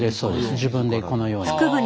自分でこのように。